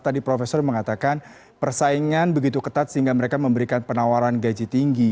tadi profesor mengatakan persaingan begitu ketat sehingga mereka memberikan penawaran gaji tinggi